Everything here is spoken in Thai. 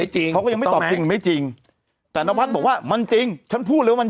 จริงเขาก็ยังไม่ตอบจริงหรือไม่จริงแต่นวัดบอกว่ามันจริงฉันพูดเลยว่ามัน